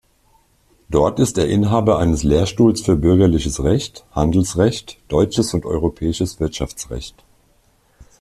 Dort ist er Inhaber eines Lehrstuhles für Bürgerliches Recht, Handelsrecht, deutsches und europäisches Wirtschaftsrecht.